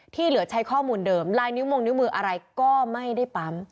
ที่เหลือใช้ข้อมูลเดิมลายนิ้วมงนิ้วมืออะไรก็ไม่ได้ปั๊ม